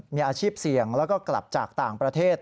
มีอาชีพเสี่ยงแล้วก็กลับจากต่างประเทศ